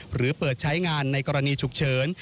หรือเปิดใช้งานในกรณีฉุกเฉิน